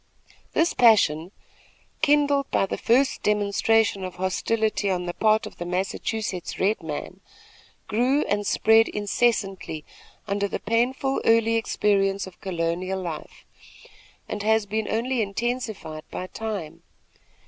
This passion, kindled by the first demonstration of hostility on the part of the Massachusetts red man, grew and spread incessantly under the painful early experience of colonial life, and has been only intensified by time.